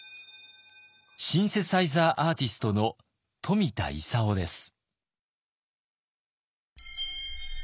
シンセサイザー・アーティストの冨田勲です。